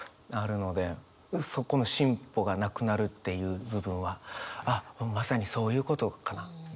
そこの進歩がなくなるっていう部分はあっまさにそういうことかな？みたいな。